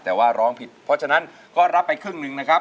แต่ว่าร้องผิดเพราะฉะนั้นก็รับไปครึ่งหนึ่งนะครับ